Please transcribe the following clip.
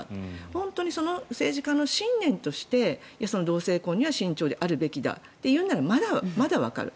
本当にその政治家の信念として同性婚には慎重であるべきだというならまだわかる。